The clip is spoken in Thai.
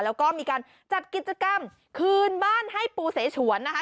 แล้วก็มีการจัดกิจกรรมคืนบ้านให้ปูเสฉวนนะคะ